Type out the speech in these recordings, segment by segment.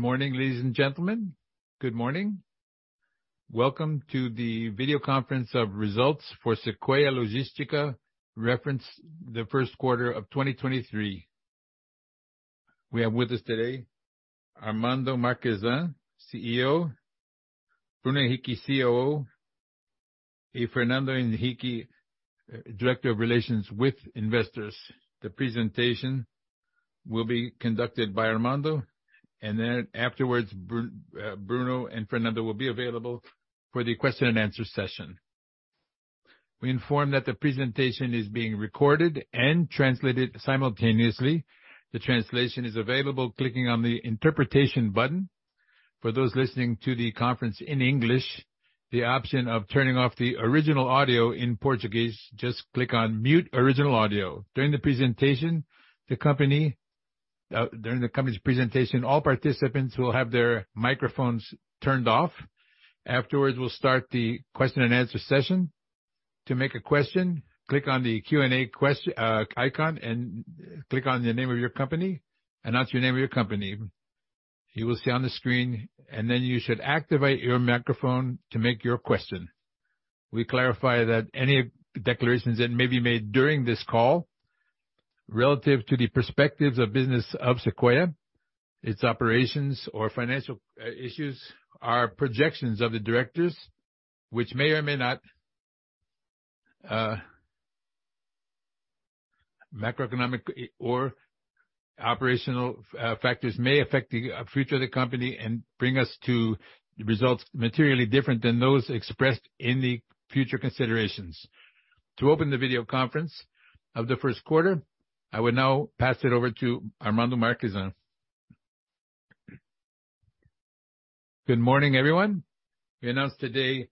Good morning, ladies and gentlemen. Good morning. Welcome to the video conference of results for Sequoia Logística, reference the first quarter of 2023. We have with us today Armando Marchesan, CEO, Bruno Henrique, COO, Fernando Stucchi, Director of Relations with Investors. The presentation will be conducted by Armando. Afterwards, Bruno and Fernando will be available for the question and answer session. We inform that the presentation is being recorded and translated simultaneously. The translation is available clicking on the interpretation button. For those listening to the conference in English, the option of turning off the original audio in Portuguese, just click on Mute Original Audio. During the company's presentation, all participants will have their microphones turned off. Afterwards, we'll start the question and answer session. To make a question, click on the Q&A quest icon and click on the name of your company, announce your name of your company. You will see on the screen. Then you should activate your microphone to make your question. We clarify that any declarations that may be made during this call, relative to the perspectives of business of Sequoia, its operations or financial issues are projections of the directors, which may or may not, macroeconomic or operational factors may affect the future of the company and bring us to results materially different than those expressed in the future considerations. To open the video conference of the first quarter, I will now pass it over to Armando Marchesan. Good morning, everyone. We announce today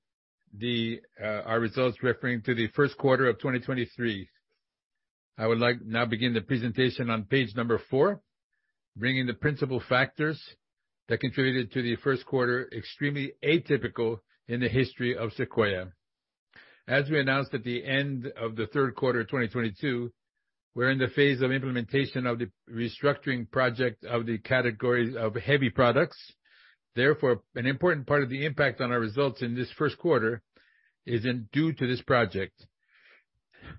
the our results referring to the first quarter of 2023. I would like now begin the presentation on page number four, bringing the principal factors that contributed to the first quarter, extremely atypical in the history of Sequoia. As we announced at the end of the third quarter of 2022, we're in the phase of implementation of the restructuring project of the categories of heavy products. An important part of the impact on our results in this first quarter is in due to this project.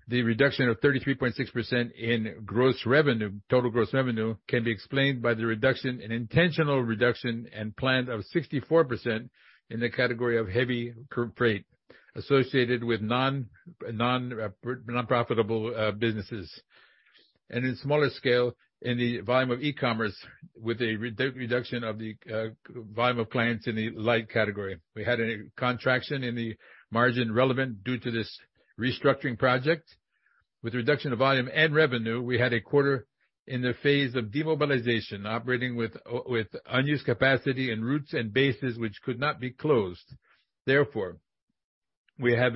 The reduction of 33.6% in gross revenue, total gross revenue, can be explained by the reduction, an intentional reduction and plan of 64% in the category of heavy freight associated with non-profitable businesses. In smaller scale, in the volume of e-commerce with a reduction of the volume of clients in the light category. We had a contraction in the margin relevant due to this restructuring project. With reduction of volume and revenue, we had a quarter in the phase of demobilization, operating with unused capacity and routes and bases which could not be closed. Therefore, we have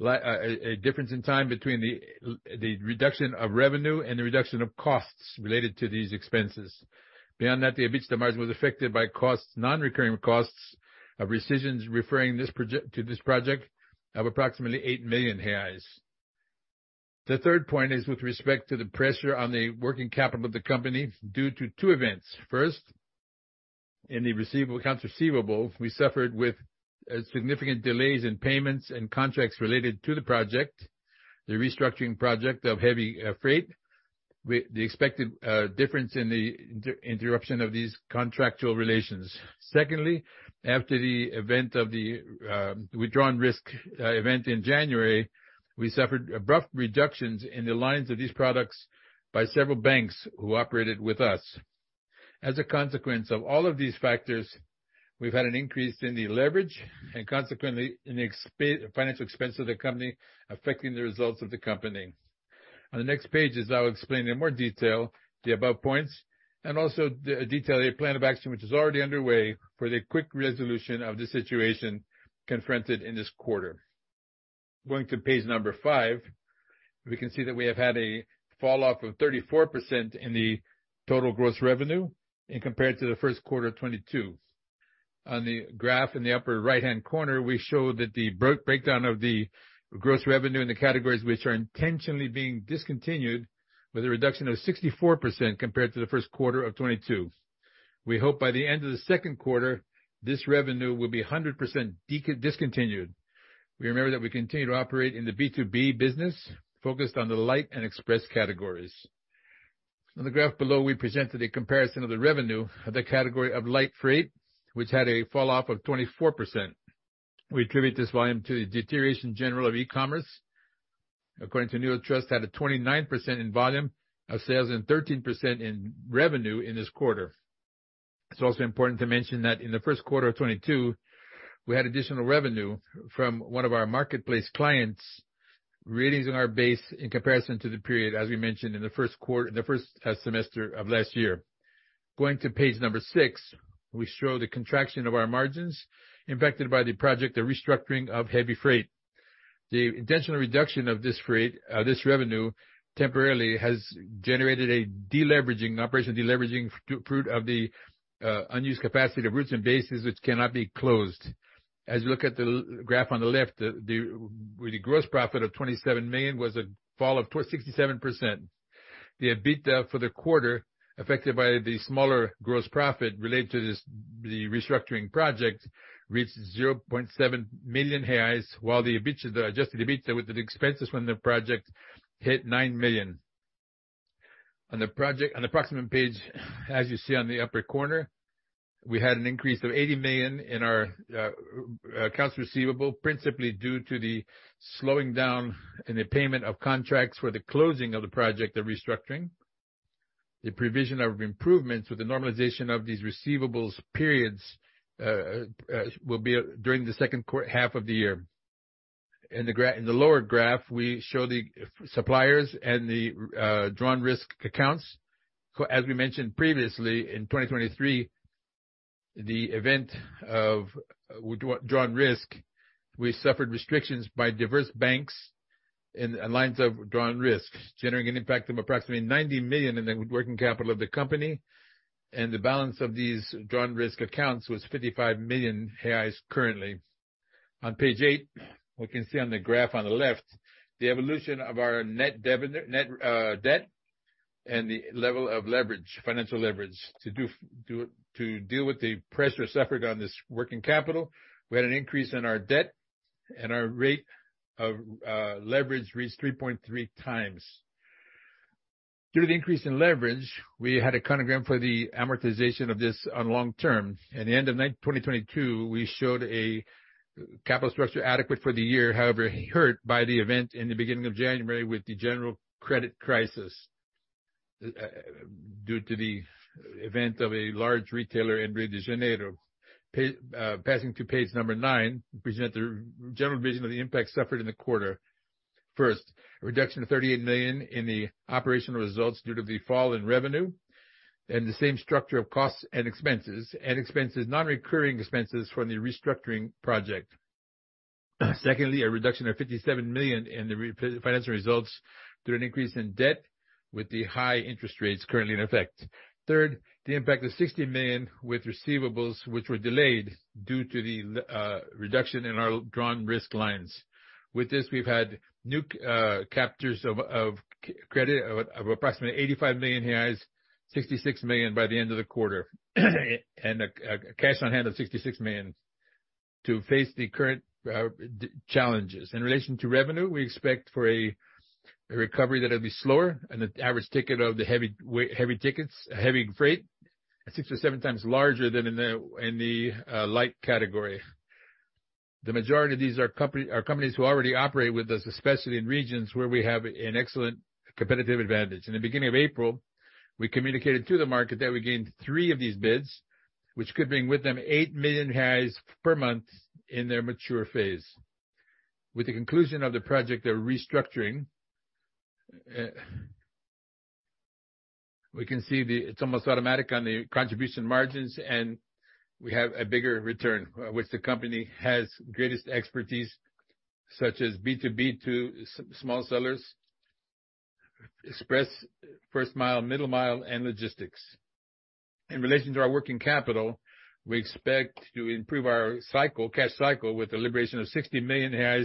a difference in time between the reduction of revenue and the reduction of costs related to these expenses. Beyond that, the EBITDA margin was affected by costs, non-recurring costs of rescissions referring to this project of approximately 8 million reais. The third point is with respect to the pressure on the working capital of the company due to two events. First, in the receivable, accounts receivable, we suffered with significant delays in payments and contracts related to the project, the restructuring project of heavy freight. The expected difference in the interruption of these contractual relations. Secondly, after the event of the, with drawn risk event in January, we suffered abrupt reductions in the lines of these products by several banks who operated with us. As a consequence of all of these factors, we've had an increase in the leverage and consequently in financial expense of the company, affecting the results of the company. On the next page, as I'll explain in more detail, the above points, and also the detail, a plan of action which is already underway for the quick resolution of the situation confronted in this quarter. Going to page number five, we can see that we have had a fall off of 34% in the total gross revenue in compared to the first quarter of 2022. On the graph in the upper right-hand corner, we show that the breakdown of the gross revenue in the categories which are intentionally being discontinued, with a reduction of 64% compared to the first quarter of 2022. We hope by the end of the second quarter, this revenue will be 100% discontinued. We remember that we continue to operate in the B2B business, focused on the light and express categories. On the graph below, we presented a comparison of the revenue of the category of light freight, which had a fall off of 24%. We attribute this volume to the deterioration general of e-commerce. According to Neotrust, had a 29% in volume of sales and 13% in revenue in this quarter. It's also important to mention that in the 1st quarter of 2022, we had additional revenue from one of our marketplace clients, readings in our base in comparison to the period, as we mentioned in the 1st semester of last year. Going to page number six, we show the contraction of our margins impacted by the project, the restructuring of heavy freight. The intentional reduction of this freight, this revenue temporarily has generated a de-leveraging through of the unused capacity of routes and bases which cannot be closed. As you look at the graph on the left, with the gross profit of 27 million was a fall of 67%. The EBITDA for the quarter, affected by the smaller gross profit related to this, the restructuring project, reached 0.7 million reais, while adjusted EBITDA with the expenses from the project hit 9 million. On the approximate page, as you see on the upper corner, we had an increase of 80 million in our accounts receivable, principally due to the slowing down in the payment of contracts for the closing of the project, the restructuring. The provision of improvements with the normalization of these receivables periods will be during the second half of the year. In the lower graph, we show the suppliers and the drawn risk accounts. As we mentioned previously, in 2023, the event of drawn risk, we suffered restrictions by diverse banks in lines of drawn risk, generating an impact of approximately 90 million in the working capital of the company, and the balance of these drawn risk accounts was 55 million reais currently. On page eight, we can see on the graph on the left the evolution of our net debt and the level of leverage, financial leverage. To deal with the pressure suffered on this working capital, we had an increase in our debt and our rate of leverage reached 3.3x. Due to the increase in leverage, we had a chronogram for the amortization of this on long-term. At the end of 2022, we showed a capital structure adequate for the year, however, hurt by the event in the beginning of January with the general credit crisis, due to the event of a large retailer in Rio de Janeiro. Passing to page nine, we present the general vision of the impact suffered in the quarter. First, a reduction of 38 million in the operational results due to the fall in revenue and the same structure of costs and expenses, non-recurring expenses from the restructuring project. Secondly, a reduction of 57 million in the re-financial results due to an increase in debt with the high interest rates currently in effect. Third, the impact of 60 million with receivables which were delayed due to the reduction in our drawn risk lines. With this, we've had new captors of credit of approximately 85 million reais, 66 million by the end of the quarter, and a cash on hand of 66 million to face the current challenges. In relation to revenue, we expect for a recovery that'll be slower and an average ticket of the heavy tickets, heavy freight, six to seven times larger than in the light category. The majority of these are companies who already operate with us, especially in regions where we have an excellent competitive advantage. In the beginning of April, we communicated to the market that we gained three of these bids, which could bring with them 8 million reais per month in their mature phase. With the conclusion of the project, the restructuring, we can see it's almost automatic on the contribution margins, and we have a bigger return, which the company has greatest expertise, such as B2B to small sellers, express first mile, middle mile, and logistics. In relation to our working capital, we expect to improve our cycle, cash cycle, with the liberation of 60 million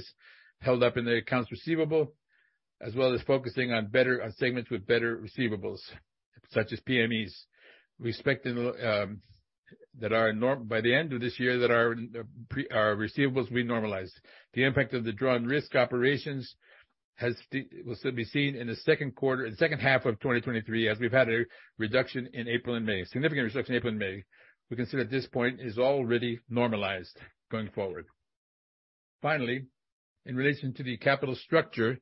held up in the accounts receivable, as well as focusing on segments with better receivables, such as PMEs. We expect in the that our by the end of this year, that our receivables will be normalized. The impact of the Risco Sacado operations will still be seen in the second half of 2023, as we've had a reduction in April and May. A significant reduction in April and May. We consider at this point is already normalized going forward. In relation to the capital structure,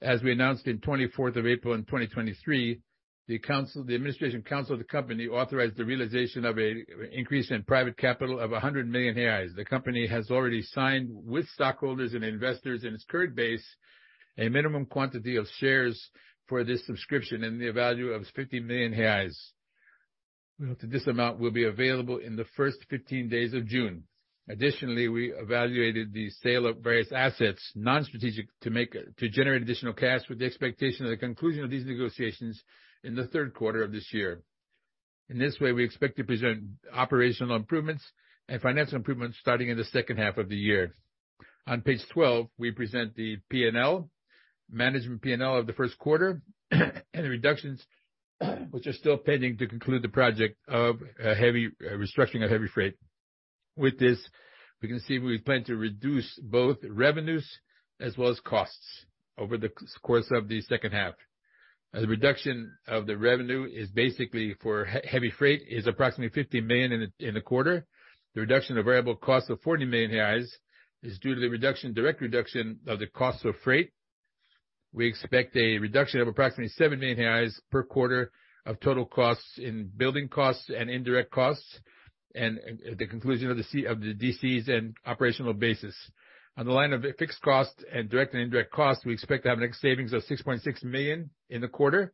as we announced in 24th of April in 2023, the council, the administration council of the company authorized the realization of a increase in private capital of 100 million reais. The company has already signed with stockholders and investors in its current base a minimum quantity of shares for this subscription in the value of 50 million reais. We hope that this amount will be available in the first 15 days of June. We evaluated the sale of various assets, non-strategic, to generate additional cash with the expectation of the conclusion of these negotiations in the third quarter of this year. We expect to present operational improvements and financial improvements starting in the second half of the year. On page 12, we present the P&L, management P&L of the first quarter, the reductions which are still pending to conclude the project of a restructuring of heavy freight. With this, we can see we plan to reduce both revenues as well as costs over the course of the second half. The reduction of the revenue is basically for heavy freight, is approximately 50 million in a quarter. The reduction of variable costs of 40 million reais is due to the direct reduction of the cost of freight. We expect a reduction of approximately 7 million reais per quarter of total costs in building costs and indirect costs, the conclusion of the DCs and operational bases. On the line of fixed cost and direct and indirect costs, we expect to have net savings of 6.6 million in the quarter,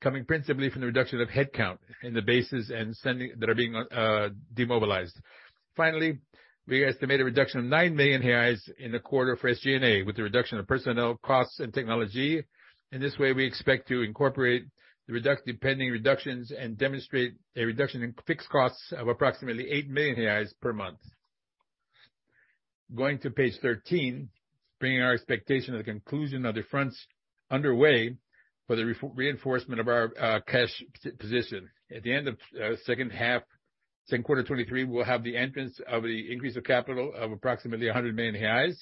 coming principally from the reduction of headcount in the bases and sending that are being demobilized. Finally, we estimate a reduction of 9 million reais in the quarter for SG&A, with the reduction of personnel costs and technology. In this way, we expect to incorporate the pending reductions and demonstrate a reduction in fixed costs of approximately 8 million reais per month. Going to page 13, bringing our expectation of the conclusion of the fronts underway for the reinforcement of our cash position. At the end of second half, second quarter 2023, we'll have the entrance of the increase of capital of approximately 100 million reais.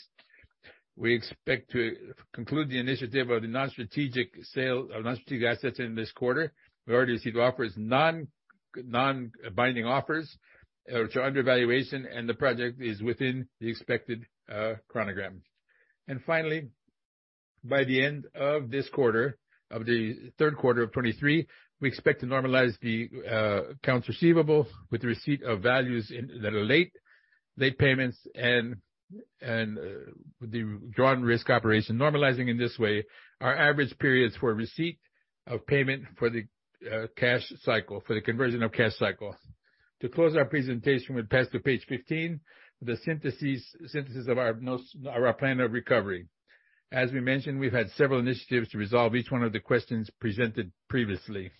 We expect to conclude the initiative of the non-strategic sale of non-strategic assets in this quarter. We already received offers, non-binding offers which are under valuation. The project is within the expected chronogram. Finally, by the end of this quarter, of the third quarter of 2023, we expect to normalize the accounts receivable with the receipt of values that are late payments and with the drawn risk operation normalizing in this way our average periods for receipt of payment for the cash cycle, for the conversion of cash cycle. To close our presentation, we pass to page 15, the synthesis of our plan of recovery. As we mentioned, we've had several initiatives to resolve each one of the questions presented previously.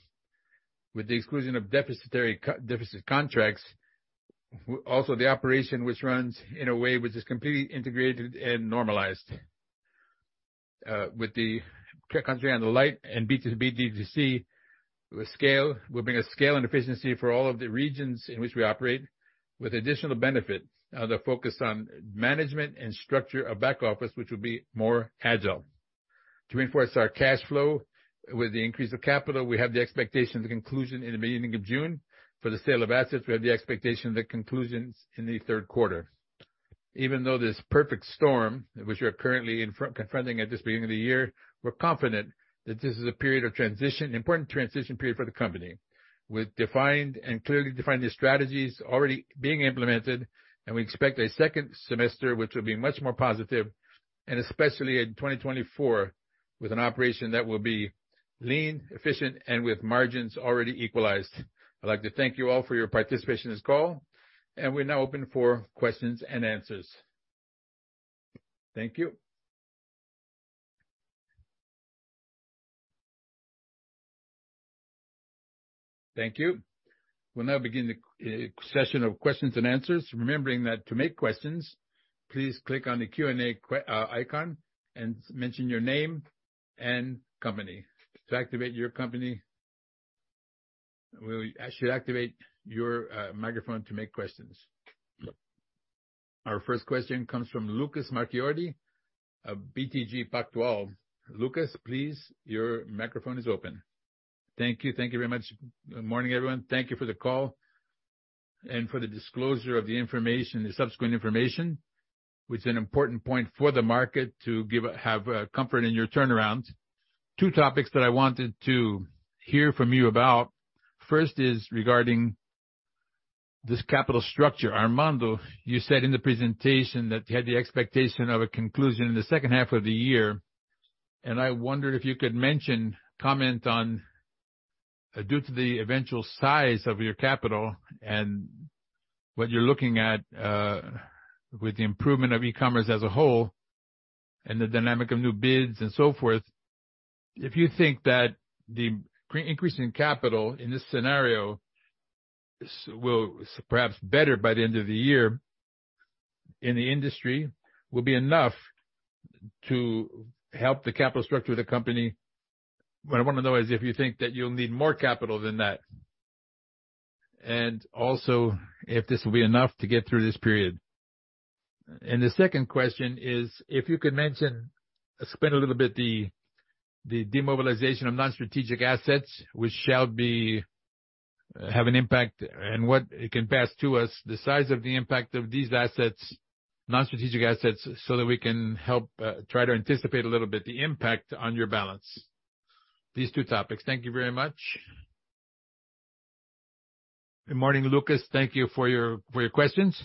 With the exclusion of deficitary contracts, also the operation which runs in a way which is completely integrated and normalized. With the country on the light and B2B, D2C, with scale, we're bringing scale and efficiency for all of the regions in which we operate, with additional benefit of the focus on management and structure of back office, which will be more agile. To reinforce our cash flow with the increase of capital, we have the expectation of the conclusion in the beginning of June. For the sale of assets, we have the expectation of the conclusions in the third quarter. Even though this perfect storm, which we're currently confronting at this beginning of the year, we're confident that this is a period of transition, important transition period for the company, with defined and clearly defined new strategies already being implemented, and we expect a second semester, which will be much more positive, and especially in 2024, with an operation that will be lean, efficient, and with margins already equalized. I'd like to thank you all for your participation in this call, and we're now open for questions and answers. Thank you. Thank you. We'll now begin the session of questions and answers. Remembering that to make questions, please click on the Q&A icon and mention your name and company. To activate your company... Well, actually activate your microphone to make questions. Our first question comes from Lucas Marquiori of BTG Pactual. Lucas, please, your microphone is open. Thank you. Thank you very much. Morning, everyone. Thank you for the call and for the disclosure of the information, the subsequent information, which is an important point for the market to give comfort in your turnaround. Two topics that I wanted to hear from you about. First is regarding this capital structure. Armando, you said in the presentation that you had the expectation of a conclusion in the 2nd half of the year. I wondered if you could mention, comment on, due to the eventual size of your capital and what you're looking at, with the improvement of e-commerce as a whole and the dynamic of new bids and so forth, if you think that the increase in capital in this scenario will, perhaps better by the end of the year in the industry, will be enough to help the capital structure of the company. What I wanna know is if you think that you'll need more capital than that. Also, if this will be enough to get through this period. The 2nd question is, if you could mention, explain a little bit the demobilization of non-strategic assets, which shall be... Have an impact and what it can pass to us, the size of the impact of these assets, non-strategic assets, so that we can help try to anticipate a little bit the impact on your balance. These two topics. Thank you very much. Good morning, Lucas. Thank you for your questions.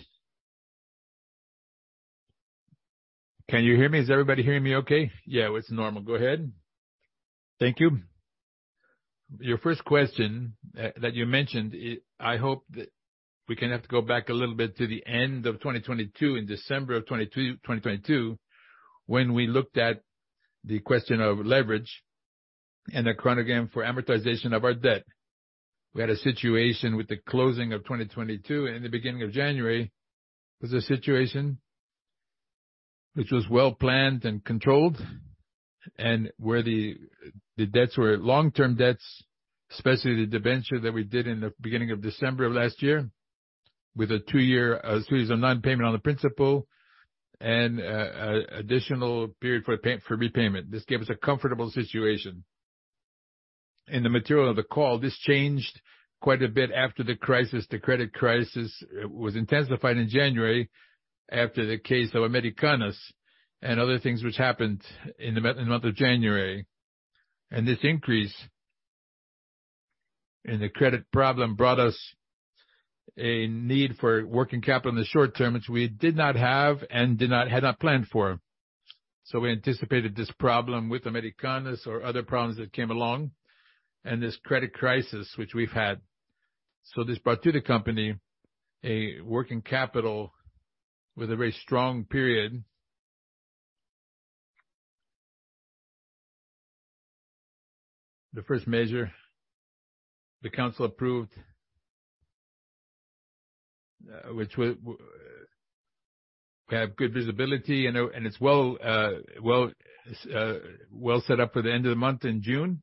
Can you hear me? Is everybody hearing me okay? Yeah, it's normal. Go ahead. Thank you. Your first question that you mentioned, I hope that we can have to go back a little bit to the end of 2022, in December of 2022, when we looked at the question of leverage and the chronogram for amortization of our debt. We had a situation with the closing of 2022. In the beginning of January, was a situation which was well-planned and controlled, where the debts were long-term debts, especially the debenture that we did in the beginning of December of last year, with a two-year series of non-payment on the principal and an additional period for repayment. This gave us a comfortable situation. In the material of the call, this changed quite a bit after the crisis. The credit crisis was intensified in January after the case of Americanas and other things which happened in the month of January. This increase in the credit problem brought us a need for working capital in the short term, which we did not have and had not planned for. We anticipated this problem with Americanas or other problems that came along, and this credit crisis, which we've had. This brought to the company a working capital with a very strong period. The first measure the council approved, which we have good visibility and it, and it's well, well set up for the end of the month in June,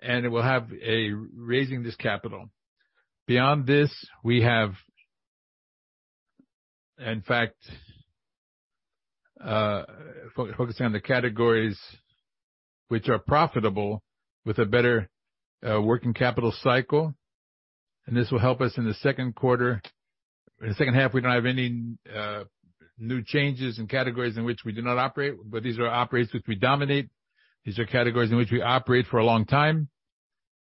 and it will have a raising this capital. Beyond this, we have, in fact, focusing on the categories which are profitable with a better working capital cycle, and this will help us in the second quarter. In the second half, we don't have any new changes in categories in which we do not operate, but these are operates which we dominate. These are categories in which we operate for a long time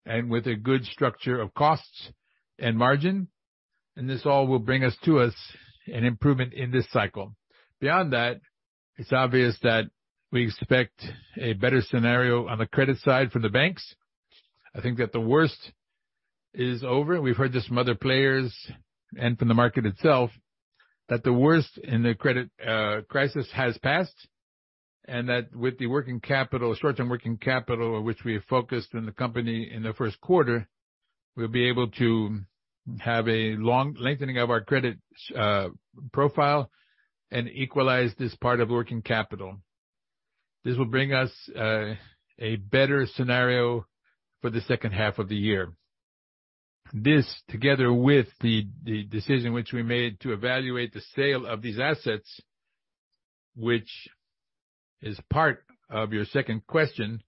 and with a good structure of costs and margin. This all will bring us to us an improvement in this cycle. Beyond that, it's obvious that we expect a better scenario on the credit side from the banks. I think that the worst is over. We've heard this from other players and from the market itself, that the worst in the credit crisis has passed, and that with the working capital, short-term working capital which we focused in the company in the first quarter, we'll be able to have a long lengthening of our credit profile and equalize this part of working capital. This will bring us a better scenario for the second half of the year. This, together with the decision which we made to evaluate the sale of these assets, which is part of your second question,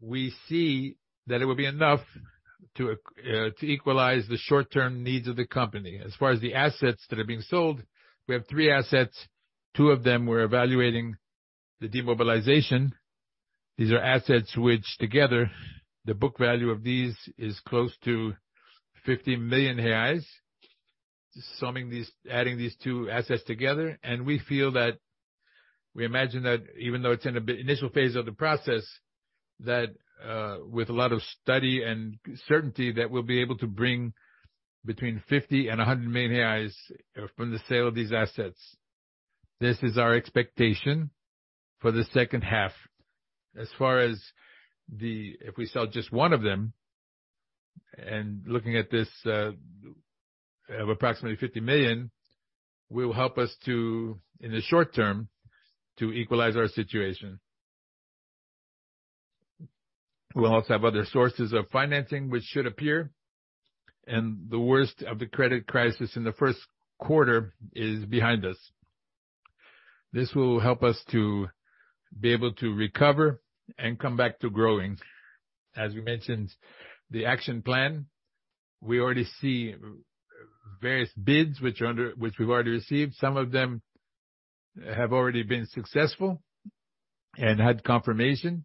we see that it would be enough to equalize the short-term needs of the company. As far as the assets that are being sold, we have three assets. Two of them we're evaluating the demobilization. These are assets which together the book value of these is close to 50 million reais. Summing these, adding these two assets together. We feel that we imagine that even though it's in an initial phase of the process, that, with a lot of study and certainty, that we'll be able to bring between 50 million and 100 million reais from the sale of these assets. This is our expectation for the second half. As far as the... If we sell just one of them, looking at this, approximately 50 million, will help us to, in the short term, to equalize our situation. We'll also have other sources of financing which should appear, the worst of the credit crisis in the first quarter is behind us. This will help us to be able to recover and come back to growing. As we mentioned, the action plan, we already see various bids which we've already received. Some of them have already been successful and had confirmation,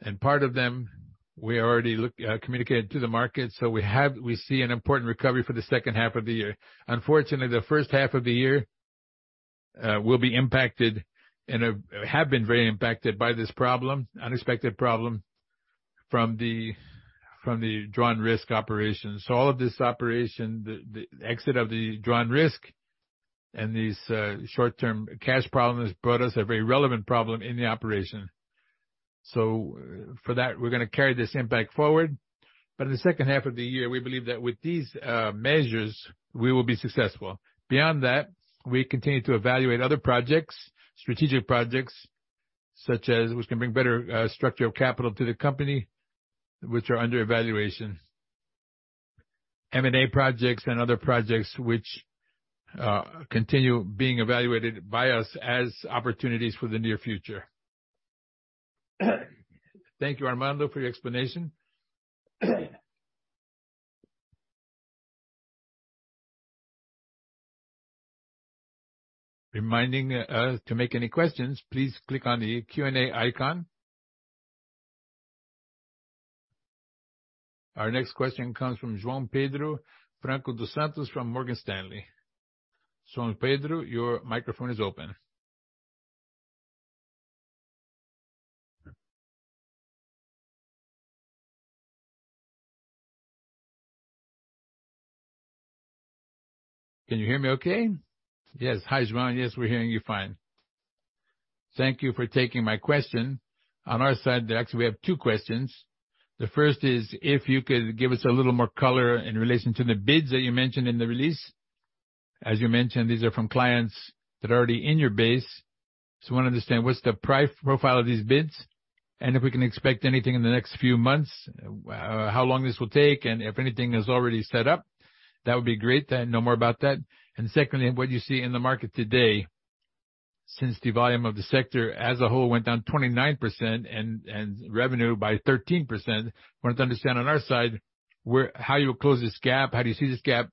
and part of them we already look, communicated to the market. We have, we see an important recovery for the second half of the year. Unfortunately, the first half of the year will be impacted and have been very impacted by this problem, unexpected problem from the Risco Sacado operation. All of this operation, the exit of the Risco Sacado and these short-term cash problems brought us a very relevant problem in the operation. For that, we're gonna carry this impact forward. In the second half of the year, we believe that with these measures, we will be successful. Beyond that, we continue to evaluate other projects, strategic projects such as which can bring better structure of capital to the company, which are under evaluation, M&A projects and other projects which continue being evaluated by us as opportunities for the near future. Thank you, Armando, for your explanation. Reminding to make any questions, please click on the Q&A icon. Our next question comes from João Pedro Franco dos Santos from Morgan Stanley. João Pedro, your microphone is open. Can you hear me okay? Yes. Hi, João. Yes, we're hearing you fine. Thank you for taking my question. On our side, actually, we have two questions. The first is if you could give us a little more color in relation to the bids that you mentioned in the release. As you mentioned, these are from clients that are already in your base. Just wanna understand what's the profile of these bids and if we can expect anything in the next few months, how long this will take and if anything is already set up? That would be great to know more about that. Secondly, what you see in the market today, since the volume of the sector as a whole went down 29% and revenue by 13%, wanted to understand on our side how you close this gap, how do you see this gap,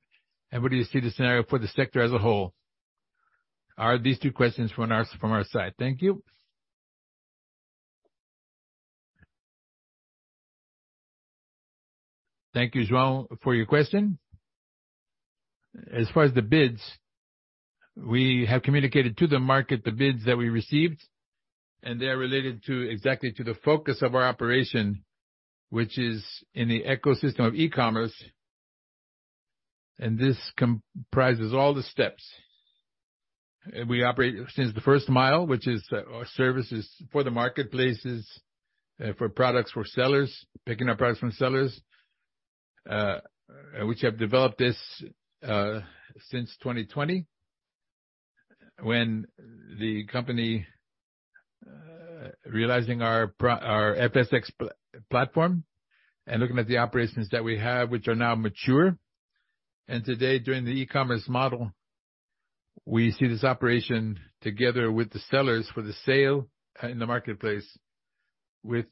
and what do you see the scenario for the sector as a whole. Are these two questions from our side. Thank you. Thank you, João, for your question. As far as the bids, we have communicated to the market the bids that we received, and they are related to exactly to the focus of our operation, which is in the ecosystem of e-commerce. This comprises all the steps. We operate since the first mile, which is our services for the marketplaces, for products for sellers, picking up products from sellers, which have developed this since 2020, when the company realizing our SFx platform and looking at the operations that we have, which are now mature. Today, during the e-commerce model, we see this operation together with the sellers for the sale in the marketplace with,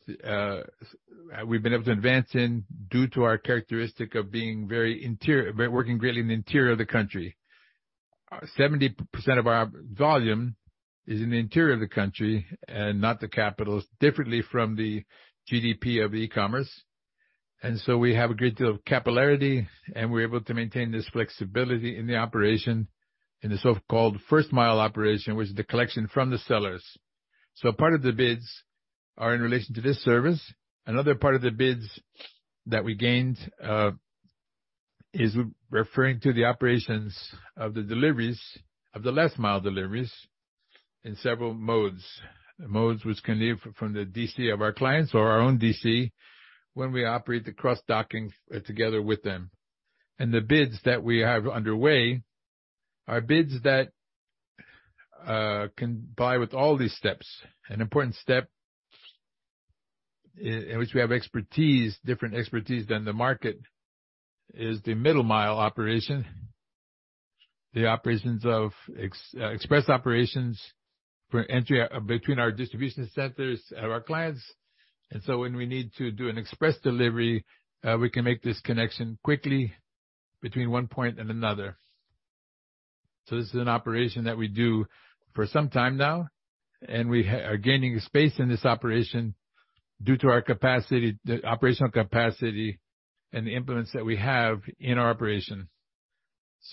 we've been able to advance in due to our characteristic of working greatly in the interior of the country. 70% of our volume is in the interior of the country and not the capitals, differently from the GDP of e-commerce. We have a great deal of capillarity, and we're able to maintain this flexibility in the operation, in the so-called first-mile operation, which is the collection from the sellers. Part of the bids are in relation to this service. Another part of the bids that we gained is referring to the operations of the last mile deliveries in several modes. Modes which can leave from the DC of our clients or our own DC when we operate the cross-docking together with them. The bids that we have underway are bids that can buy with all these steps. An important step in which we have expertise, different expertise than the market, is the middle-mile operation, the operations of express operations for entry between our distribution centers of our clients. When we need to do an express delivery, we can make this connection quickly between one point and another. This is an operation that we do for some time now, and we are gaining space in this operation due to our capacity, the operational capacity and the influence that we have in our operations.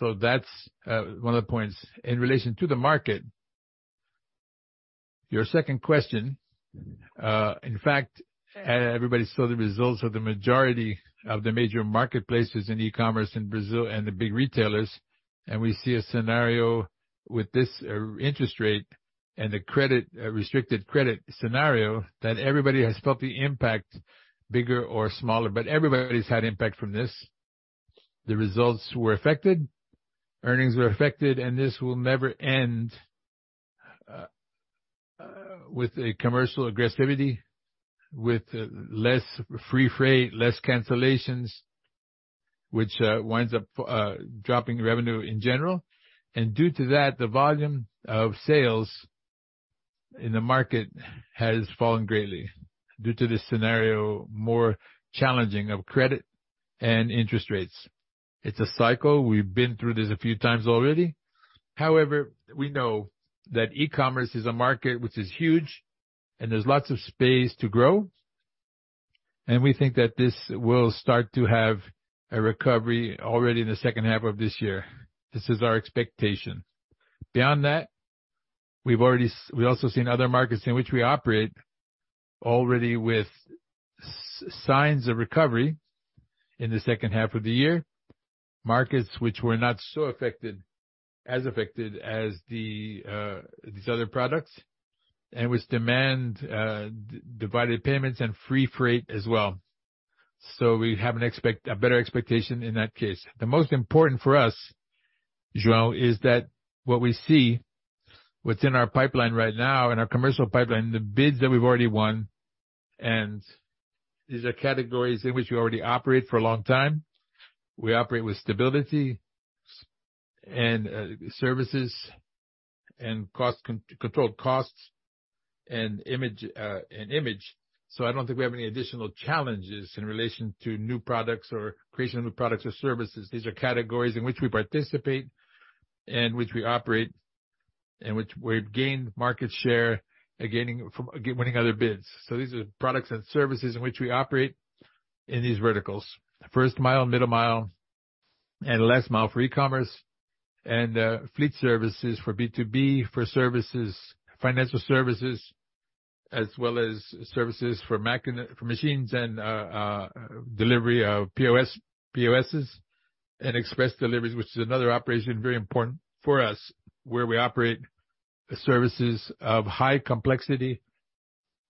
That's one of the points. In relation to the market, your second question, in fact, everybody saw the results of the majority of the major marketplaces in e-commerce in Brazil and the big retailers. We see a scenario with this interest rate and the restricted credit scenario, that everybody has felt the impact, bigger or smaller, but everybody's had impact from this. The results were affected, earnings were affected, this will never end, with a commercial aggressivity, with less free freight, less cancellations, which winds up dropping revenue in general. Due to that, the volume of sales in the market has fallen greatly due to this scenario, more challenging of credit and interest rates. It's a cycle. We've been through this a few times already. We know that e-commerce is a market which is huge and there's lots of space to grow, and we think that this will start to have a recovery already in the second half of this year. This is our expectation. Beyond that, we've also seen other markets in which we operate already with signs of recovery in the second half of the year. Markets which were not as affected as the these other products, and with demand divided payments and free freight as well. We have a better expectation in that case. The most important for us, João, is that what we see, what's in our pipeline right now, in our commercial pipeline, the bids that we've already won, and these are categories in which we already operate for a long time. We operate with stability and services and controlled costs and image and image. I don't think we have any additional challenges in relation to new products or creation of new products or services. These are categories in which we participate and which we operate, and which we've gained market share and from winning other bids. These are products and services in which we operate in these verticals. First mile, middle mile, and last mile for e-commerce, fleet services for B2B, for services, financial services, as well as services for machines and delivery of POS, POSs, and express deliveries, which is another operation very important for us, where we operate services of high complexity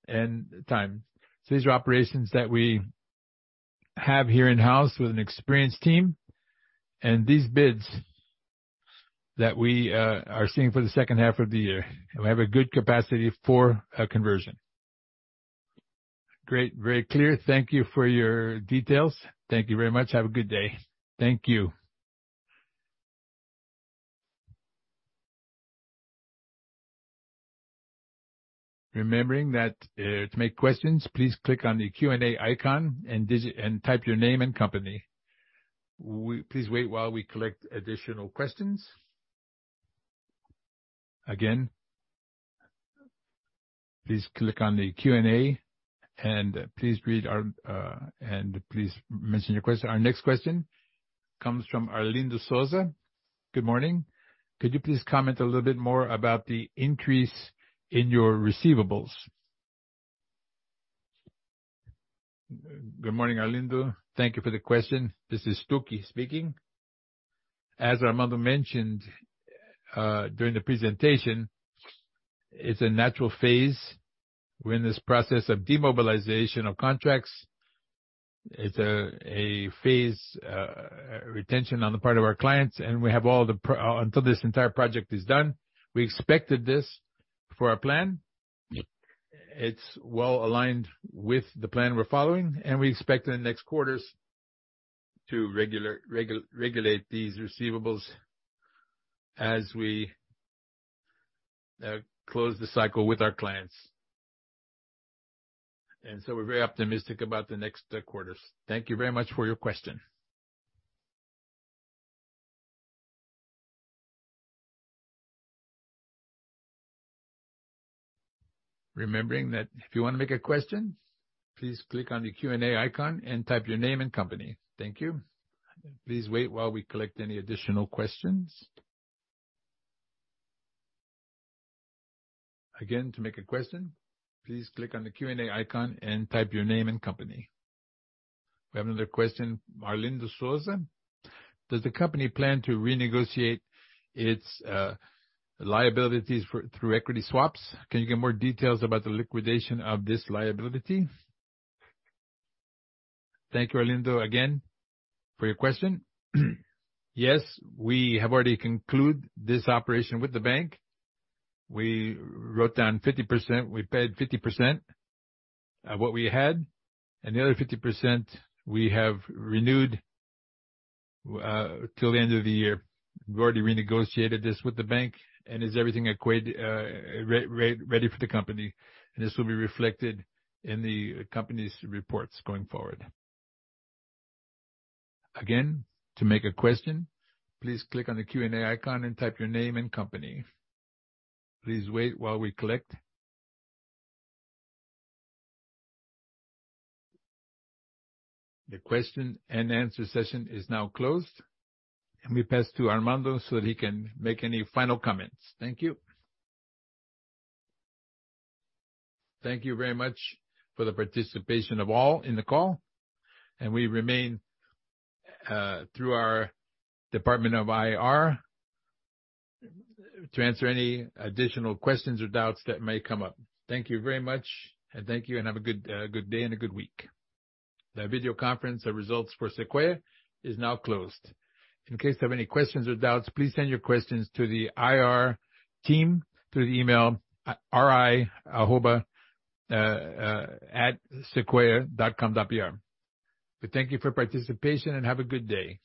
and time. These are operations that we have here in-house with an experienced team. These bids that we are seeing for the second half of the year, we have a good capacity for a conversion. Great. Very clear. Thank you for your details. Thank you very much. Have a good day. Thank you. Remembering that to make questions, please click on the Q&A icon and type your name and company. Please wait while we collect additional questions. Again, please click on the Q&A and please read our, and please mention your question. Our next question comes from Arlindo Souza. Good morning. Could you please comment a little bit more about the increase in your receivables? Good morning, Arlindo. Thank you for the question. This is Stucchi speaking. As Armando mentioned, during the presentation, it's a natural phase. We're in this process of demobilization of contracts. It's a phase, retention on the part of our clients, and we have until this entire project is done. We expected this for our plan. It's well-aligned with the plan we're following, and we expect in the next quarters to regular, regulate these receivables as we close the cycle with our clients. We're very optimistic about the next quarters. Thank you very much for your question. Remembering that if you wanna make a question, please click on the Q&A icon and type your name and company. Thank you. Please wait while we collect any additional questions. To make a question, please click on the Q&A icon and type your name and company. We have another question. Arlindo Souza, does the company plan to renegotiate its liabilities through equity swaps? Can you give more details about the liquidation of this liability? Thank you, Arlindo, again for your question. Yes, we have already conclude this operation with the bank. We wrote down 50%. We paid 50% what we had, the other 50% we have renewed till the end of the year. We already renegotiated this with the bank, is everything adequately ready for the company. This will be reflected in the company's reports going forward. Again, to make a question, please click on the Q&A icon and type your name and company. Please wait while we collect. The question and answer session is now closed. Let me pass to Armando so that he can make any final comments. Thank you. Thank you very much for the participation of all in the call. We remain through our Department of IR to answer any additional questions or doubts that may come up. Thank you very much, and have a good day and a good week. The video conference of results for Sequoia is now closed. In case you have any questions or doubts, please send your questions to the IR team through the email, ri@sequoia.com.br. Thank you for participation, and have a good day.